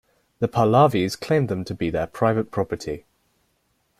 The Pahlavi's claimed them to be their private property.